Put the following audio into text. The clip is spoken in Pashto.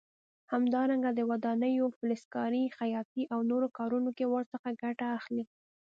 همدارنګه د ودانیو، فلزکارۍ، خیاطۍ او نورو کارونو کې ورڅخه ګټه اخلي.